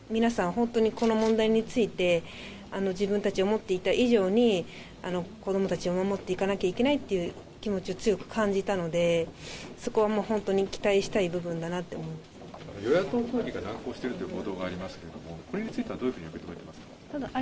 本当に、この問題について、自分たちが思っていた以上に、子どもたちを守っていかなきゃいけないっていう気持ちを強く感じたので、そこはもう本当に、期待したい部分だなって思ってます。